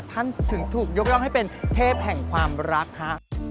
ถึงถูกยกย่องให้เป็นเทพแห่งความรักฮะ